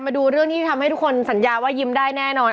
มาดูเรื่องที่ทำให้ทุกคนสัญญาว่ายิ้มได้แน่นอน